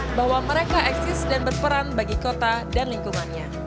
dan pemerintah bahwa mereka eksis dan berperan bagi kota dan lingkungannya